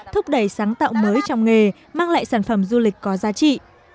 thúc đẩy sáng tạo mới trong nghề mang lại sản phẩm du lịch có giá trị